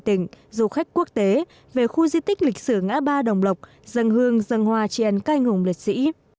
tỉnh du khách quốc tế về khu di tích lịch sử ngã ba đồng lộc dân hương dân hòa triển các anh hùng lịch sĩ